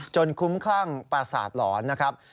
คุ้มคลั่งประสาทหลอนนะครับ